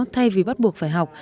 thay vì bắt buộc phải học